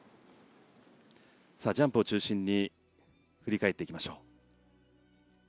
ジャンプを中心に振り返っていきましょう。